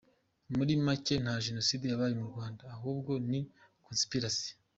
Muri make nta Genocide yabaye mu Rwanda, ahubwo ni “Conspiracy”…